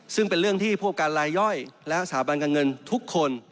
ซึ่งเป็นเรื่องที่ผู้ประการรายย่อยและสถาบันการเงินทุกคน